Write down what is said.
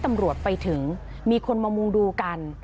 ตำรวจไปถึงมีคนมามุงดูกัน